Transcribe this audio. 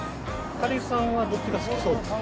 彼氏さんはどっちが好きそうですか？